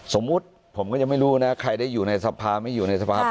สมมุติผมก็ยังไม่รู้นะใครได้อยู่ในสภาไม่อยู่ในสภาพ